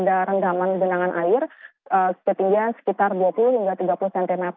ada rendaman genangan air ketinggian sekitar dua puluh hingga tiga puluh cm